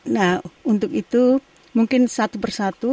nah untuk itu mungkin satu persatu